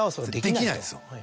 できないんですよ。